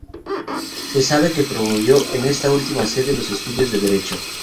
Se sabe que promovió en esta última sede los estudios de Derecho.